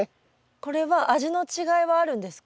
これは味の違いはあるんですか？